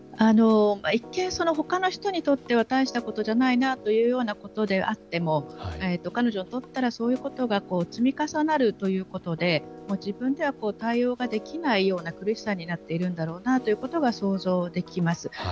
一見、ほかの人にとっては大したことではないことであっても彼女にとったらそういうことが積み重なるということで自分では対応ができないような苦しさになっているんだろうなということが想像できます。